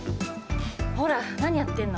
ほらなにやってんの？